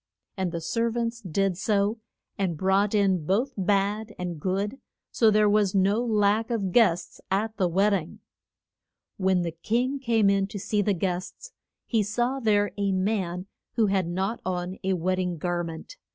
And the ser vants did so, and brought in both bad and good, so there was no lack of guests at the wed ding. [Illustration: WED DING GAR MENT.] When the king came in to see the guests, he saw there a man who had not on a wed ding gar ment.